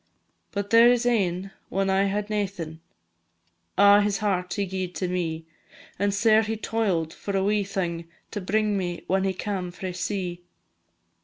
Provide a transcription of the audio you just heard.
But there is ane, when I had naething, A' his heart he gi'ed to me; And sair he toil'd for a wee thing, To bring me when he cam frae sea.